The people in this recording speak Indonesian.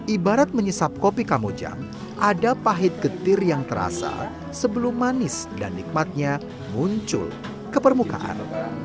ibarat menyesap kopi kamojang ada pahit getir yang terasa sebelum manis dan nikmatnya muncul ke permukaan